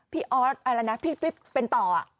ออสอะไรนะพี่เป็นต่อ